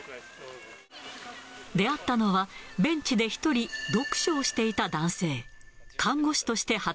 出会ったのは、ベンチで１人、読書をしていた男性。